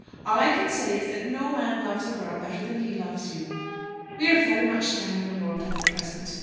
All I can say is, that no man loves a girl better than he loves you. We are very much down in the world at the present.